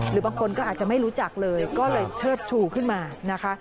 หรือบางคนก็อาจจะไม่รู้จักเลยก็เลยเชิดชูขึ้นมานะคะ